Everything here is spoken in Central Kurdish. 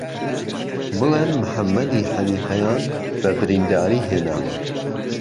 بلین مهحهممهدیحهنیفهیان به برینداری هیێاوه